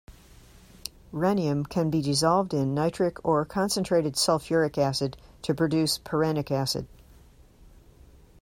Rhenium can be dissolved in nitric or concentrated sulfuric acid to produce perrhenic acid.